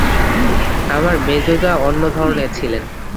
আমার মেজো জা অন্য ধরনের ছিলেন।